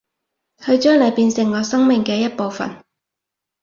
去將你變成我生命嘅一部份